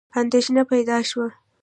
اندېښنه پیدا شوه.